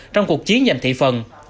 trong cuộc chiến giành thị phần